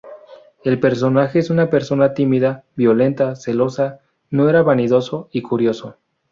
El personaje es una persona tímida, violenta, celosa, no era vanidoso y curioso.